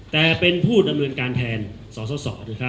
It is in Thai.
แต่เป็นพูดอำนวณการแทนศศษ